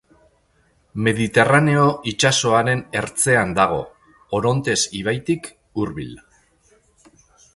Mediterraneo itsasoaren ertzean dago, Orontes ibaitik hurbil.